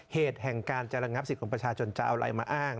เหตุแห่งการจะระงับสิทธิ์ของประชาชนจะเอาอะไรมาอ้าง